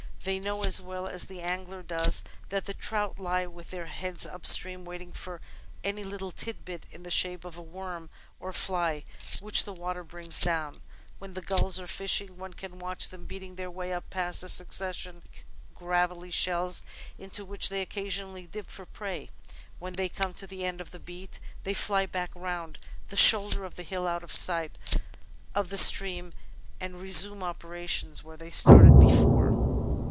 They know as well as the angler does that the trout lie with their heads up stream, waiting for any little titbit in the shape of a worm or fly which the water brings down. When the Gulls are fishing, one can watch them beating their way up past a succession of gravelly shells into which they occasionally dip for prey. When they come to the end of the beat, they fly back round the shoulder of the hill out of sight of the stream and resume operations where they started before.